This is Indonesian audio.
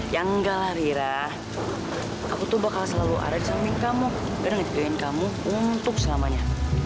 ya enggak lah rira aku tuh bakal selalu ada di samping kamu pernah ngejuin kamu untuk selamanya